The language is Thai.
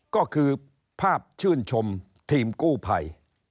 ก็คือภาพชื่นชมทีมกู้ภัย